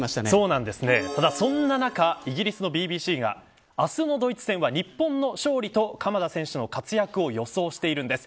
ただ、そんな中イギリスのＢＢＣが明日のドイツ戦は、日本の勝利と鎌田選手の活躍を予想しているんです。